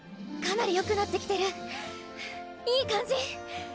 ⁉かなり良くなってきてるいい感じ！